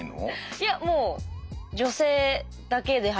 いやもう女性だけで入るとか。